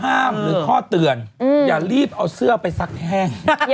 ห้ามนะคะหนึ่งข้อเตือนอย่ารีบเอาเสื้อไปซักแห้ง